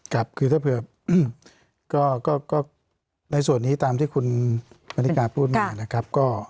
ครับคือถ้าเผื่อก็ในส่วนนี้ตามที่คุณพนิกาพูดมานะครับ